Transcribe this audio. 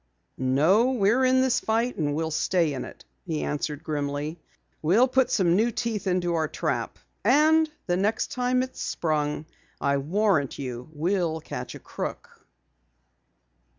"No, we're in this fight and we'll stay in it," he answered grimly. "We'll put some new teeth in our trap. And the next time it's sprung, I warrant you we'll catch a crook."